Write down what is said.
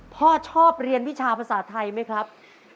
พ่อชอบเรียนวิชาภาษาไทยไหมครับ